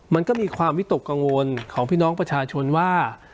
มันก็มีความวิตกกังวลของพี่น้องประชาชนว่า